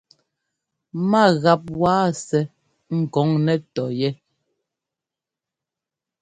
Ma gap waa sɛ́ ɛ́kɔŋ nɛ́ tɔyɛ́.